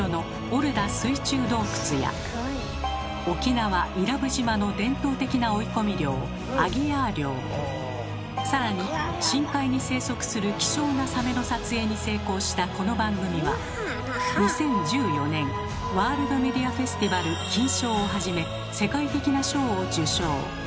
沖縄・伊良部島の伝統的な追い込み漁更に深海に生息する希少なサメの撮影に成功したこの番組は２０１４年「ワールド・メディア・フェスティバル」金賞をはじめ世界的な賞を受賞。